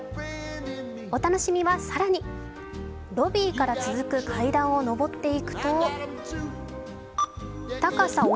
お楽しみは更に、ロビーから続く階段を上っていくと高さ